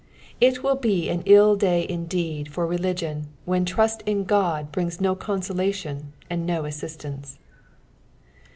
It will be an ill day indeed for religion when trust in God brings no consolation and no assistance.